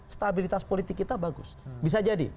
stabilitas politik kita bagus bisa jadi